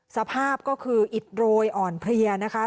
สภาพก็คืออิดโรยอ่อนเพลียนะคะ